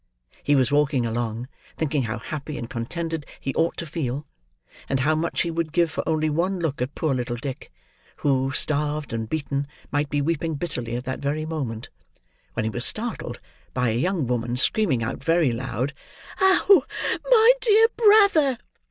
He was walking along, thinking how happy and contented he ought to feel; and how much he would give for only one look at poor little Dick, who, starved and beaten, might be weeping bitterly at that very moment; when he was startled by a young woman screaming out very loud. "Oh, my dear brother!"